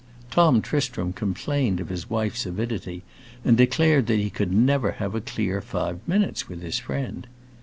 Tom Tristram complained of his wife's avidity, and declared that he could never have a clear five minutes with his friend.